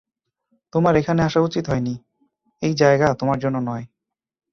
তোমার এখানে আসা উচিত হয়নি, এই জায়গা তোমার জন্য নয়।